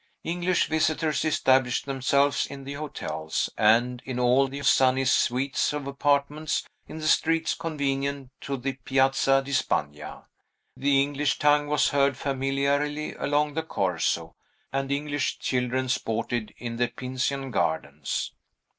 English visitors established themselves in the hotels, and in all the sunny suites of apartments, in the streets convenient to the Piazza di Spagna; the English tongue was heard familiarly along the Corso, and English children sported in the Pincian Gardens.